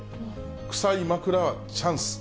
臭い枕はチャンス。